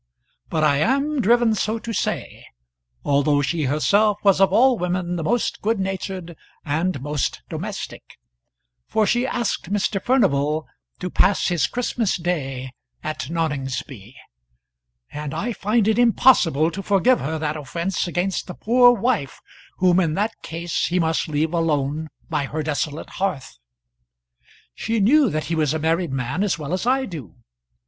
But I am driven so to say, although she herself was of all women the most good natured and most domestic; for she asked Mr. Furnival to pass his Christmas day at Noningsby, and I find it impossible to forgive her that offence against the poor wife whom in that case he must leave alone by her desolate hearth. She knew that he was a married man as well as I do.